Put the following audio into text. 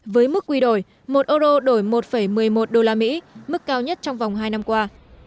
với mức quy đổi một euro đổi một một mươi một đô la mỹ mức cao nhất trong vòng hai năm qua